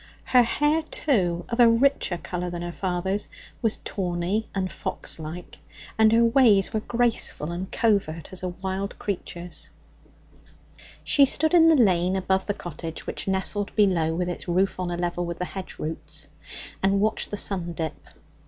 Her hair, too, of a richer colour than her father's, was tawny and foxlike, and her ways were graceful and covert as a wild creature's. She stood in the lane above the cottage, which nestled below with its roof on a level with the hedge roots, and watched the sun dip.